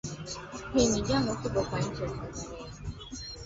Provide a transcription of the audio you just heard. hili ni janga kubwa kwa nchi ya tanzania na magazeti yote uhuru mwananchi majira